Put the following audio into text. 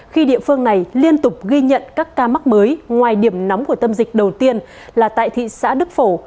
khi địa phương này liên tục ghi nhận các ca mắc mới ngoài điểm nóng của tâm dịch đầu tiên là tại thị xã đức phổ